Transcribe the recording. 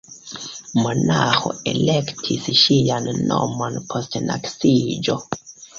Monaĥo elektis ŝian nomon post naskiĝo.